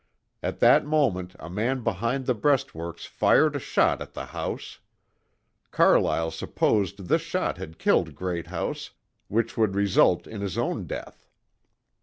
At that moment a man behind the breastworks fired a shot at the house. Carlyle supposed this shot had killed Greathouse, which would result in his own death.